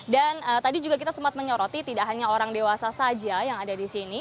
dan tadi juga kita sempat menyoroti tidak hanya orang dewasa saja yang ada di sini